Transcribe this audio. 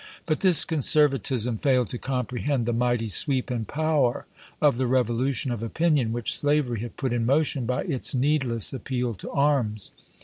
But this conservatism failed to comprehend the mighty sweep and power of the revolution of opinion which slavery had put in motion by its needless appeal to arms.